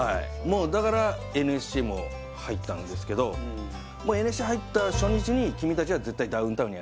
もうだからＮＳＣも入ったんですけどもうＮＳＣに入った初日に「君たちは」